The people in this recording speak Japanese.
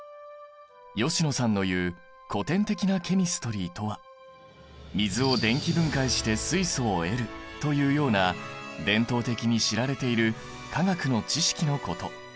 吉野さんの言う古典的なケミストリーとは水を電気分解して水素を得るというような伝統的に知られている化学の知識のこと。